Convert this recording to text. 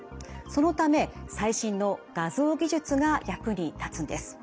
そのため最新の画像技術が役に立つんです。